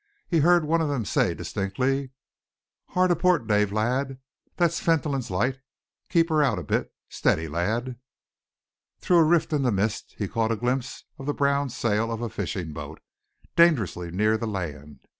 He heard one of them say distinctly: "Hard aport, Dave lad! That's Fentolin's light. Keep her out a bit. Steady, lad!" Through a rift in the mist, he caught a glimpse of the brown sail of a fishing boat, dangerously near the land.